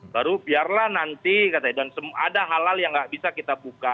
baru biarlah nanti ada halal yang nggak bisa kita buka